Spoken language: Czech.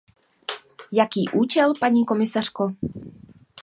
Jaký účel, paní komisařko?